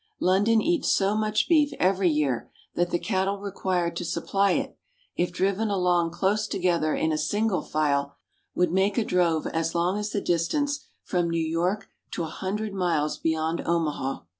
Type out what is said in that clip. London eats so much beef every year that the cattle required to supply it, if driven along close together in single file, would make a drove as long as the distance from New York to a hundred miles beyond Omaha.